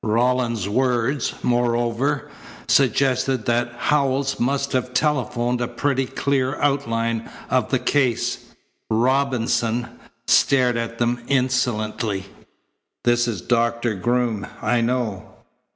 Rawlins's words, moreover, suggested that Howells must have telephoned a pretty clear outline of the case. Robinson stared at them insolently. "This is Doctor Groom, I know.